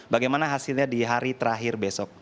bagaimana hasilnya di hari terakhir besok